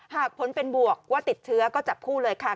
หากผลเป็นบวกว่าติดเชื้อก็จับคู่เลยค่ะ